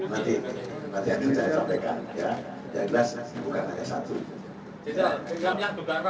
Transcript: yang dugaan rasis dari tni itu sebetulnya apa sih